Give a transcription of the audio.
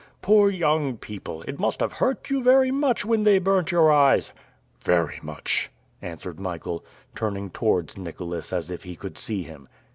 "Poor young people! It must have hurt you very much when they burnt your eyes!" "Very much," answered Michael, turning towards Nicholas as if he could see him.